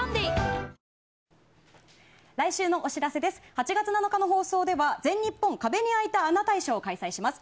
８月７日の放送では全日本壁に空いた穴大賞を開催します。